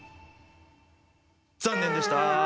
残念でした。